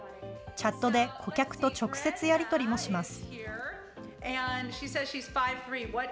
チャットで顧客と直接やり取りもします。